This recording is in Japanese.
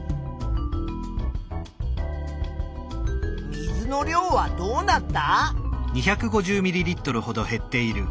水の量はどうなった？